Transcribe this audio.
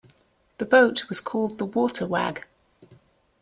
The boat was called The Water Wag.